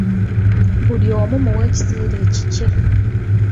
Buli omu muwe ekiseera ekikye.